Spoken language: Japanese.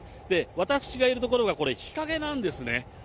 私がいる所がこれ、日陰なんですね。